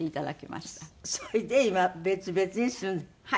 それで今別々に住んでる。